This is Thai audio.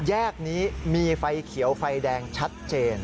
แยกนี้มีไฟเขียวไฟแดงชัดเจน